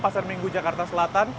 pasar minggu jakarta